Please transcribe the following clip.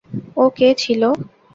ও কে ছিল?